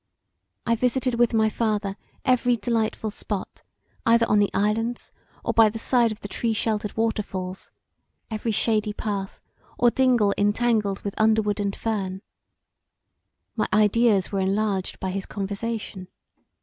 I visited with my father every delightful spot, either on the islands, or by the side of the tree sheltered waterfalls; every shady path, or dingle entangled with underwood and fern. My ideas were enlarged by his conversation.